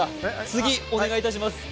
次、お願いします。